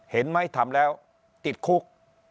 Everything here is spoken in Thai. เห็นไหมทำแล้วติดคุก